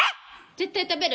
・絶対食べる？